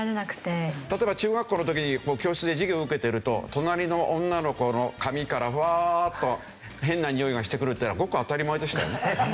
例えば中学校の時に教室で授業受けてると隣の女の子の髪からフワーッと変なにおいがしてくるっていうのはごく当たり前でしたよ。